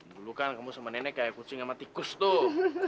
dulu kan kamu sama nenek kayak kucing sama tikus tuh